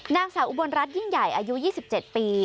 นางสาวอุบลรัฐยิ่งใหญ่อายุ๒๗ปี